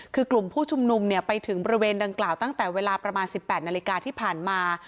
คือกลุ่มผู้ชุมนุมไปถึงบริเวณดังกล่าวตั้งแต่เวลาประมาณ๑๘นาฬิกาที่ผ่านมา